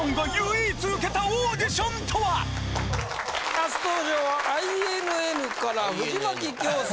初登場はＩＮＮから藤牧京介。